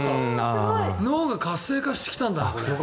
脳が活性化してきたんだ、これ。